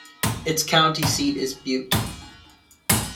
Its county seat is Butte.